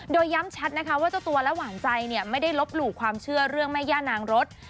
โดยย้ำชัดนะคะว่าเจ้าตัวและหวานใจไม่ได้ลบหลู่ความเชื่อเรื่องแม่ย่านางรถ